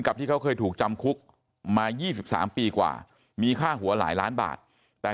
ที่เขาเคยถูกจำคุกมา๒๓ปีกว่ามีค่าหัวหลายล้านบาทแต่